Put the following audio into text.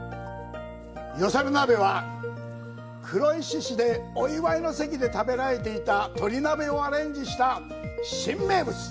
よされ鍋は、黒石市でお祝いの席で食べられていた鶏鍋をアレンジした新名物。